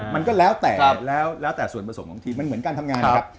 มันก็แล้วแต่แล้วแต่ส่วนผสมของทีมมันเหมือนการทำงานนะครับ